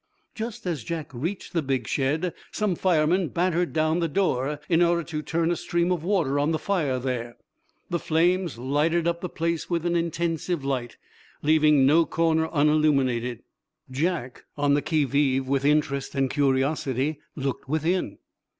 Just as Jack reached the big shed some firemen battered down the door in order to turn a stream of water on the fire there. The flames lighted up the place with an intensive light, leaving no corner unilluminated. Jack, on the qui vive with interest and curiosity, looked within.